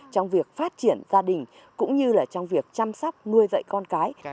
trong việc phát triển gia đình cũng như là trong việc chăm sóc nuôi dạy con cái